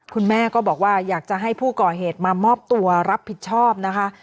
คุณแม่ก็บอกว่าอยากจะให้ผู้ก่อเหตุมามอบตัวรับผิดชอบนะคะ